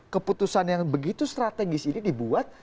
keputusan yang begitu strategis ini dibuat